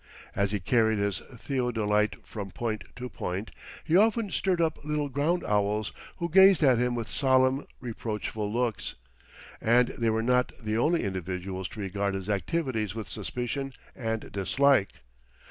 As he carried his theodolite from point to point he often stirred up little ground owls, who gazed at him with solemn, reproachful looks. And they were not the only individuals to regard his activities with suspicion and dislike.